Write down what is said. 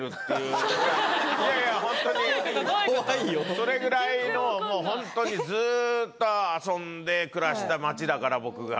それぐらいのもう本当にずっと遊んで暮らした街だから僕が。